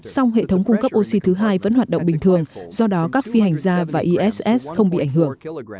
song hệ thống cung cấp oxy thứ hai vẫn hoạt động bình thường do đó các phi hành gia và iss không bị ảnh hưởng